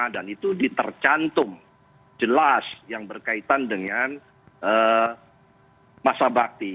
dan itu ditercantum jelas yang berkaitan dengan masa bakti